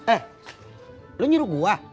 eh lu nyuruh gua